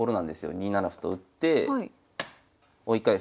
２七歩と打って追い返す。